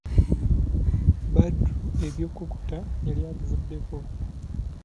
Badru eby'okukutta yali yabivaako.